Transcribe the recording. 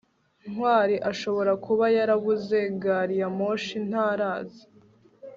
ntwali ashobora kuba yarabuze gari ya moshi ntaraza